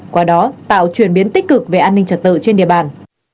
qua đó tạo chuyển biến tích cực về an ninh trật tự trên địa bàn